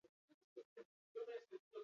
Dena den, ez da inolako istilurik izan.